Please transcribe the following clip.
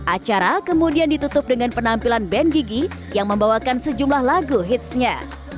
acara kemudian ditutup dengan penampilan band gigi yang membawakan sejumlah lagu hitsnya